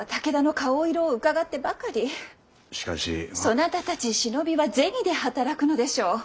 そなたたち忍びは銭で働くのでしょう。